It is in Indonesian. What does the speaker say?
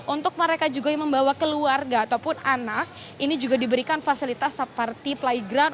untuk mereka juga yang membawa keluarga ataupun anak ini juga diberikan fasilitas seperti playground